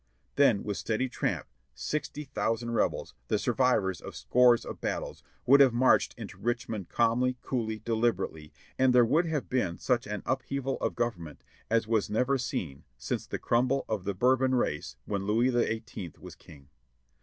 Then with steady tramp, sixty thousand Rebels, the sur vivors of scores of battles, would have marched into Richmond calmly, coolly, deliberately, and there would have been such an upheaval of Government as was never seen since the crumble of the Bourbon race when Louis the Eighteenth was King.